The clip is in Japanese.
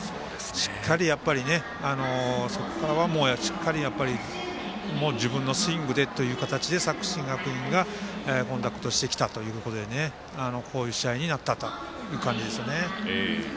しっかり、そこからは自分のスイングという形で作新学院がコンタクトしてきたということでこういう試合になったという感じですよね。